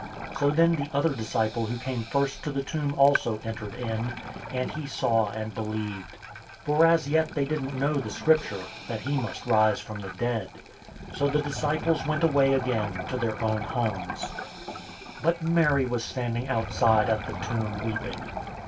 020:008 So then the other disciple who came first to the tomb also entered in, and he saw and believed. 020:009 For as yet they didn't know the Scripture, that he must rise from the dead. 020:010 So the disciples went away again to their own homes. 020:011 But Mary was standing outside at the tomb weeping.